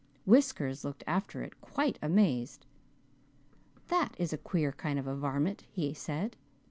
Whiskers looked after it quite amazed. 'That is a queer kind of a varmint,' he said.